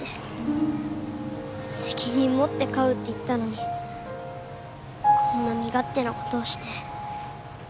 責任持って飼うって言ったのにこんな身勝手なことをして。